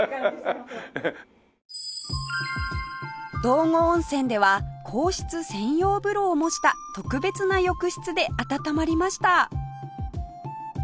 道後温泉では皇室専用風呂を模した特別な浴室で温まりました